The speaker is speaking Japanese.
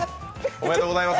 おめでとうございます。